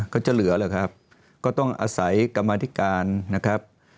ก็จะเหลือหรือครับก็ต้องอาศัยกรรมาธิการนะครับ